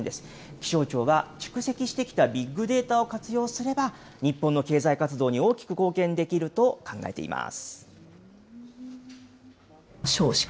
気象庁は蓄積してきたビッグデータを活用すれば、日本の経済活動に大きく貢献できると考えています。